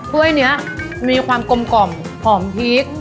ไต้เว้ยเนี้ยมีความกลมกล่อมคอมพริก